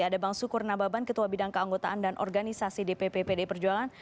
ada bang sukur nababan ketua bidang keanggotaan dan organisasi dpp pdi perjuangan